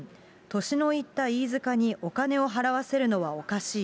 年のいった飯塚にお金を払わせるのはおかしい。